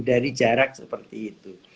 dari jarak seperti itu